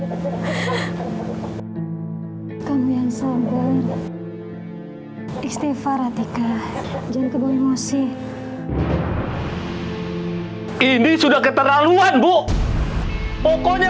hai kami yang sabar istighfarat ikan jangan kebawa emosi ini sudah keterlaluan bu pokoknya